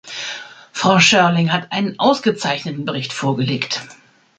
Frau Schörling hat einen ausgezeichneten Bericht vorgelegt.